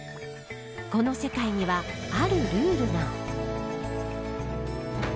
この世界には、あるルールが。